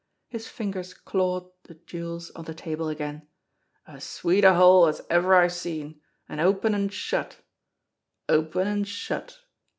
His fingers clawed the jewels on the table again. "As sweet a haul as ever I've seen, an' open an' shut open an' shut!"